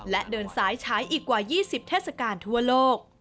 และเดินสายใช้อีกกว่า๒๐เทศกาลทั่วโลก